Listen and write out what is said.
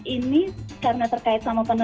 ini karena terkait sama penelitian saya